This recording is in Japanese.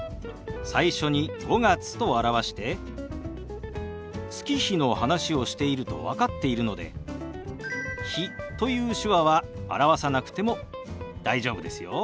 最初に「５月」と表して月日の話をしていると分かっているので「日」という手話は表さなくても大丈夫ですよ。